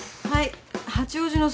はい。